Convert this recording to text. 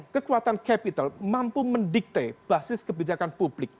kekuatan capital mampu mendikte basis kebijakan publik